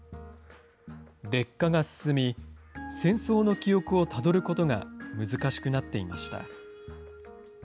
劣化が進み、戦争の記憶をたどることが難しくなっていました。